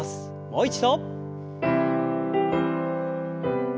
もう一度。